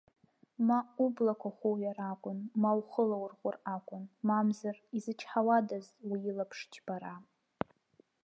Ма ублақәа хуҩар акәын, ма ухы лаурҟәыр акәын, мамзар изычҳауадаз уи илаԥш џьбара!